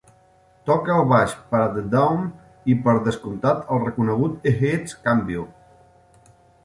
Toca el baix per a The Dawn i, per descomptat, el reconegut Eheads, Cambio.